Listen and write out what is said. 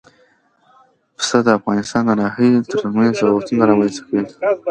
پسه د افغانستان د ناحیو ترمنځ تفاوتونه رامنځ ته کوي.